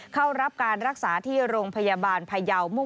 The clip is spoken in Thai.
เข้ารับการรักษาที่โรงพยาบาลพยาวมุ่ง